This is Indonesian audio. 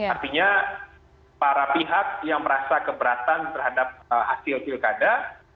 artinya para pihak yang merasa keberatan terhadap hasil pilkada